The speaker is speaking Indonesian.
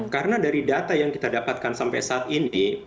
karena dari data yang kita dapatkan sampai saat ini